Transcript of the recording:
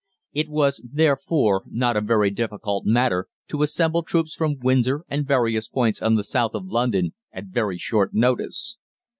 It was, therefore, not a very difficult matter to assemble troops from Windsor and various points on the South of London at very short notice.